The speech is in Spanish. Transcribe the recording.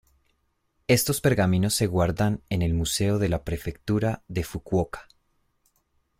Estos pergaminos se guardan en el museo de la prefectura de Fukuoka.